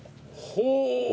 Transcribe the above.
ほう。